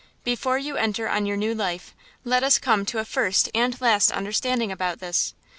Before you enter on your new life, let us come to a first and last understanding about this.